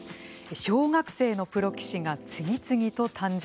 小学生のプロ棋士が次々と誕生。